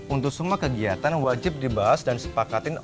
untuk semua kegiatan wajib dibahas dan sepakatin